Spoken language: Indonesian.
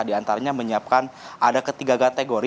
di antaranya menyiapkan ada ketiga kategori